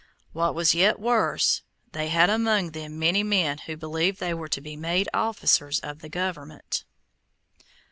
What was yet worse, they had among them many men who believed they were to be made officers of the government.